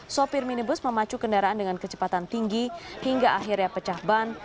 sopir minibus memacu kendaraan dengan kecepatan tinggi hingga akhirnya pecah ban